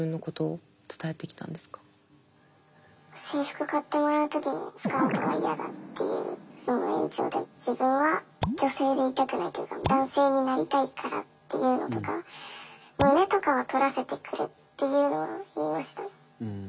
制服買ってもらう時も「スカートは嫌だ」って言うのの延長で「自分は女性でいたくない」というか「男性になりたいから」っていうのとか「胸とかはとらせてくれ」っていうのは言いました。